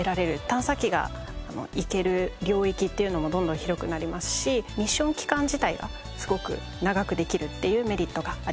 探査機が行ける領域っていうのもどんどん広くなりますしミッション期間自体がすごく長くできるっていうメリットがあります。